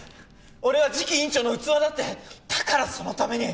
俺は次期院長の器だってだからそのために。